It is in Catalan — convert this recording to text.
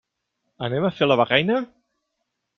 Anem a fer la becaina?